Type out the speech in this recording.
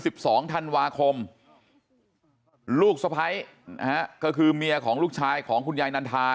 น้องทันวาคมลูกสะไพรก็คือเมียของลูกชายของคุณยายนันทา